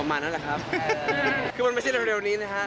ว่านี่รูปสไตล์